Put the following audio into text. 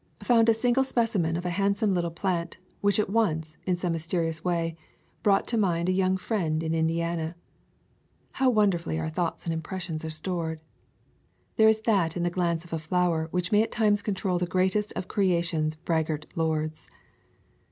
Found a single specimen of a handsome little plant, which at once, in some mysterious way, brought to mind a young friend in Indiana. How wonderfully our thoughts and impressions are stored! There is that in the glance of a flower which may at times control the greatest of creation's braggart lords.